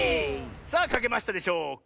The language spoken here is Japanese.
さあかけましたでしょうか？